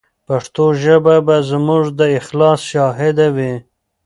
پښتو ژبه به زموږ د اخلاص شاهده وي.